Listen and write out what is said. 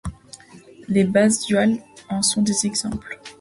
Les bases duales en sont des exemples.